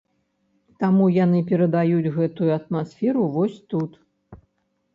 Таму яны перадаюць гэтую атмасферу вось тут.